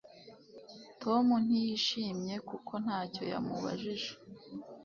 Tom ntiyishimye kuko ntacyo yamubajije